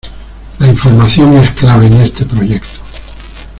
La información es clave en este proyecto.